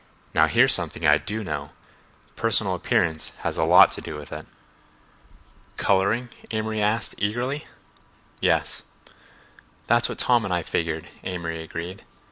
Now, here's something I do know—personal appearance has a lot to do with it." "Coloring?" Amory asked eagerly. "Yes." "That's what Tom and I figured," Amory agreed.